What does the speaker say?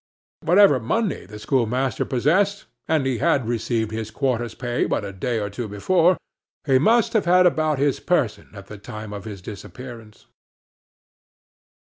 Whatever money the schoolmaster possessed, and he had received his quarter's pay but a day or two before, he must have had about his person at the time of his disappearance.